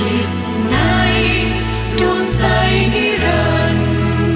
รักนี้จะอยู่ในดวงใจนิรันดิ์